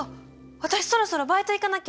あたしそろそろバイト行かなきゃ！